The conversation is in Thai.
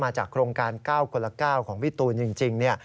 จากโครงการ๙คนละ๙ของพี่ตูนจริง